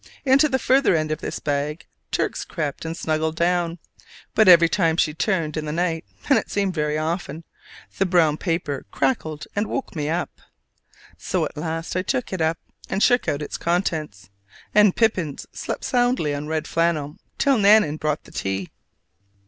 Into the further end of this bag Turks crept and snuggled down: but every time she turned in the night (and it seemed very often) the brown paper crackled and woke me up. So at last I took it up and shook out its contents; and Pippins slept soundly on red flannel till Nan nan brought the tea.